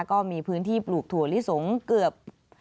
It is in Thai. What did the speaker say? ก็มีพื้นที่ปลูกถั่วลิสงเกือบ